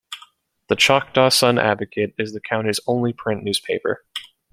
The Choctaw Sun-Advocate is the county's only print newspaper.